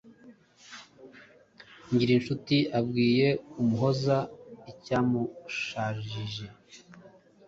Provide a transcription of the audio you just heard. Ngirincuti abwiye Umuhoza icyamushajije,